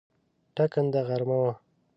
ټاکنده غرمه وه.